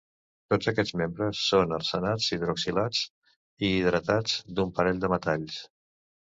Tots aquests membres són arsenats hidroxilats i hidratats d'un parell de metalls.